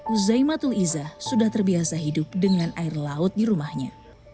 uzaimatul iza sudah terbiasa hidup dengan air laut di rumahnya